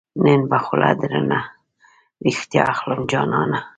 نن به خوله درنه ريښتیا اخلم جانانه